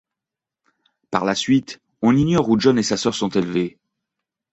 Par la suite, on ignore où John et sa sœur sont élevés.